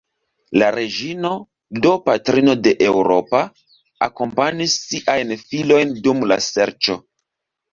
La reĝino, do patrino de Eŭropa, akompanis siajn filojn dum la serĉo.